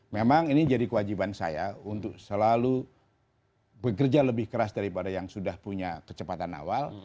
memang ini jadi kewajiban saya untuk selalu bekerja lebih keras daripada yang sudah punya kecepatan awal